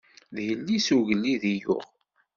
D yelli-s n ugellid i yuɣ.